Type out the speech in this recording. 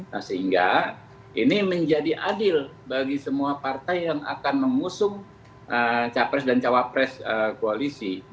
nah sehingga ini menjadi adil bagi semua partai yang akan mengusung capres dan cawapres koalisi